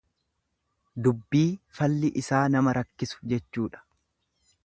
Dubbii falli isaa nama rakkisu jechuudha.